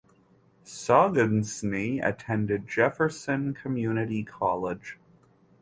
Shaughnessy attended Jefferson Community College.